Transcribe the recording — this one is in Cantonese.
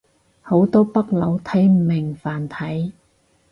好多北佬睇唔明繁體